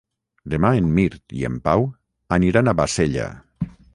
Demà en Mirt i en Pau aniran a Bassella.